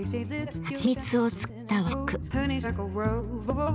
はちみつを使った和食。